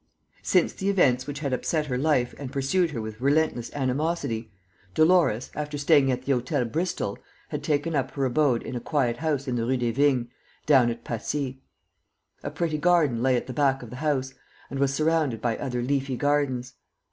Since the events which had upset her life and pursued her with relentless animosity, Dolores, after staying at the Hôtel Bristol had taken up her abode in a quiet house in the Rue des Vignes, down at Passy. A pretty garden lay at the back of the house and was surrounded by other leafy gardens.